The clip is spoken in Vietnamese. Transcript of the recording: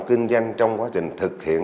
kinh doanh trong quá trình thực hiện